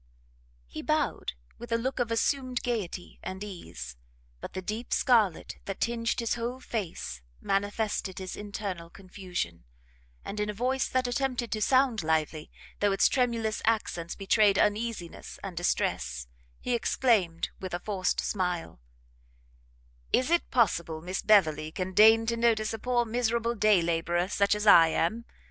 He bowed with a look of assumed gaiety and ease, but the deep scarlet that tinged his whole face manifested his internal confusion; and in a voice that attempted to sound lively, though its tremulous accents betrayed uneasiness and distress, he exclaimed, with a forced smile, "Is it possible Miss Beverley can deign to notice a poor miserable day labourer such as I am?